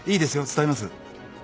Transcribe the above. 伝えます